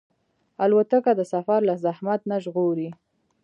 الوتکه د سفر له زحمت نه ژغوري.